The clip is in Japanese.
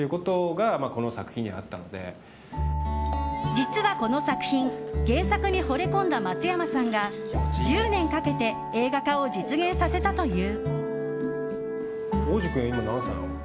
実は、この作品原作にほれ込んだ松山さんが１０年かけて映画化を実現させたという。